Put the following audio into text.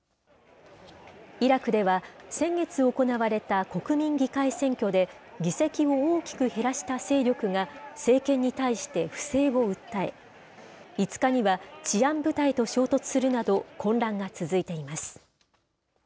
イラクでは、先月行われた国民議会選挙で、議席を大きく減らした勢力が政権に対して不正を訴え、５日には治安部隊と衝突するなど、混乱が続いています。